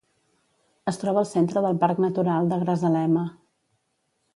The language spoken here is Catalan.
Es troba al centre del Parc Natural de Grazalema.